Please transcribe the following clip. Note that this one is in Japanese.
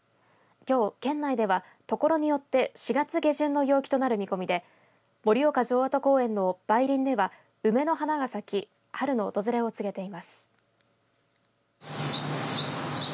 きょう、県内ではところによって４月下旬の陽気となる見込みで盛岡城跡公園の梅林では梅の花が咲き春の訪れを告げています。